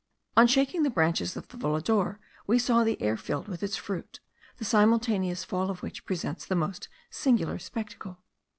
On shaking the branches of the volador, we saw the air filled with its fruits, the simultaneous fall of which presents the most singular spectacle.